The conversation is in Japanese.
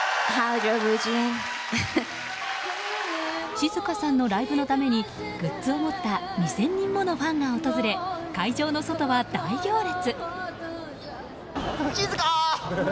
静香さんのライブのためにグッズを持った２０００人ものファンが訪れ会場の外は大行列。